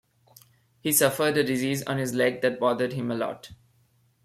He suffered a disease on his leg that bothered him a lot.